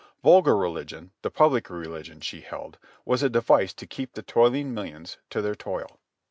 Vulgar religion, the public religion, she held, was a device to keep the toiling millions to their toil.